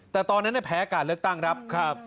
แต่ตอนนั้นแพ้การเลือกตั้งครับ